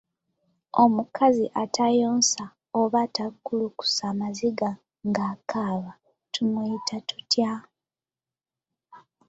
Omukazi atayonsa oba atattulukusa maziga ng’akaaba tumuyita tutya?